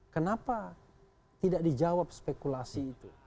kenapa tidak dijawab spekulasi